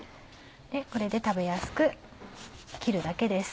これで食べやすく切るだけです。